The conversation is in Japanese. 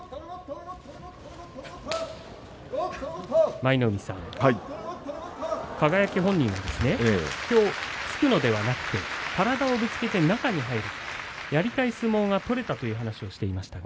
舞の海さん、輝本人がきょう、突くのではなく体をぶつけて中に入るやりたい相撲が取れたと話していましたが。